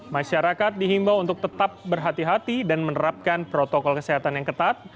masyarakat dihimbau untuk tetap berhati hati dan menerapkan protokol kesehatan yang ketat